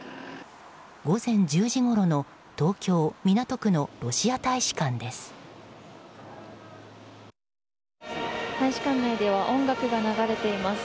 午前１０時ごろの東京・港区のロシア大使館です。